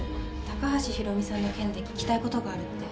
高橋博美さんの件で聞きたいことがあるって。